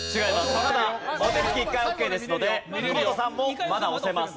ただお手つき１回オッケーですので福本さんもまだ押せます。